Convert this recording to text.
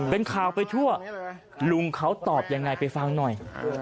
เป็นข่าวไปทั่วลุงเขาตอบยังไงไปฟังหน่อย